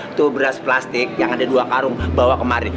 itu beras plastik yang ada dua karung bawa kemari